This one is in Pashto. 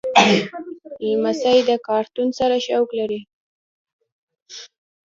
لمسی له کارتون سره شوق لري.